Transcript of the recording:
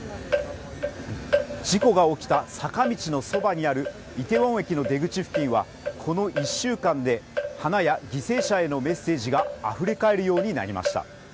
事故が起きた坂道のそばにあるイテウォン駅の出口付近はこの１週間で花や追悼のメッセージが溢れかえるようになりました